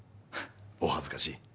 お恥ずかしい。